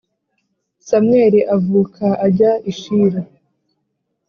Samweli avuka ajya i Shilo